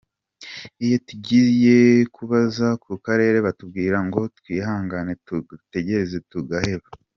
Iyo tugiye kubaza ku karere baratubwira ngo twihangane tugategereza tugaheba.